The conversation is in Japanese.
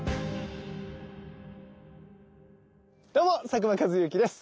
どうも佐久間一行です。